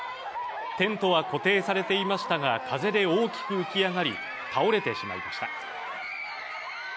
テントは固定されていましたが、風で大きく浮き上がり、倒れてしまいました。